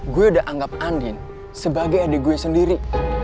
gue udah anggap andin sebagai adik gue sendiri